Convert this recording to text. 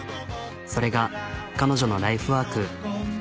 それが彼女のライフワーク。